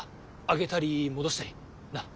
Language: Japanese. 上げたり戻したりなっ。